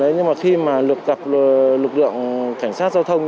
nhưng mà khi mà lực lượng cảnh sát giao thông